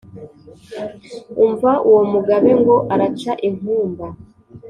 umva uwo mugabe ngo araca inkumba